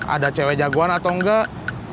ada cewek jagoan atau enggak